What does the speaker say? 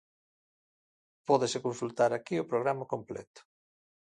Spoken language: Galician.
Pódese consultar aquí o programa completo.